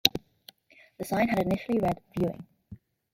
The sign had initially read Viewing.